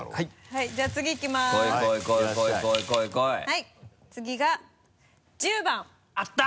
はい次が１０番。あった！